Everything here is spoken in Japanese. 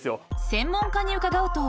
［専門家に伺うと］